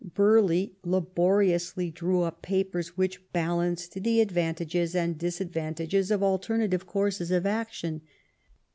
Burghley laboriously drew up papers which balanced the advantages and disadvantages of al ternative courses of action.